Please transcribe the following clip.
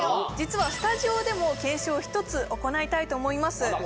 実はスタジオでも検証を１つ行いたいと思います